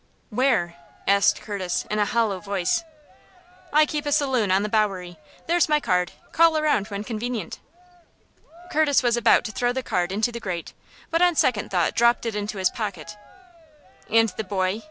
"Where?" asked Curtis, in a hollow voice. "I keep a saloon on the Bowery. There's my card. Call around when convenient." Curtis was about to throw the card into the grate, but on second thought dropped it into his pocket. "And the boy?"